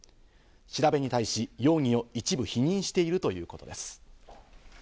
調べに対し、容疑を一部否認しているということです。